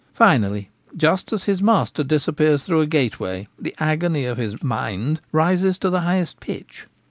Finally, just as his master disappears through a gateway, the agony of his * mind ' rises to the highest pitch.